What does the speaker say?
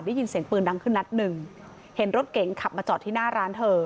ได้ยินเสียงปืนดังขึ้นนัดหนึ่งเห็นรถเก๋งขับมาจอดที่หน้าร้านเธอ